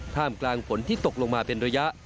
ท่ามกลางฝนที่ตกลงมาเป็นระยะ